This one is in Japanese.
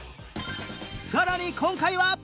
さらに今回は